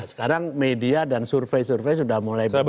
sekarang media dan survei survei sudah mulai berubah